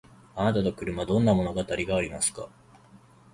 あなたと車どんな物語がありますか？